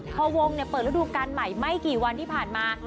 พอวงเปิดฤดูการใหม่ไม่กี่วันที่ผ่านมา